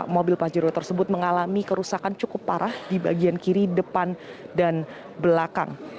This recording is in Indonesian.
mobil pajero tersebut mengalami kerusakan cukup parah di bagian kiri depan dan belakang